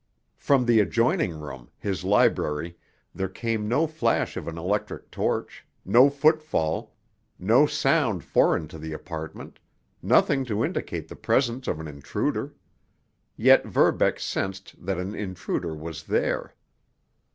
From the adjoining room—his library—there came no flash of an electric torch, no footfall, no sound foreign to the apartment, nothing to indicate the presence of an intruder. Yet Verbeck sensed that an intruder was there.